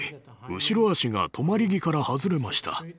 後ろ足が止まり木から外れました。